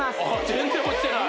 全然落ちてない